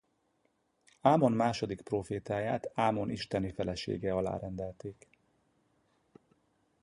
Ámon második prófétáját Ámon isteni felesége alá rendelték.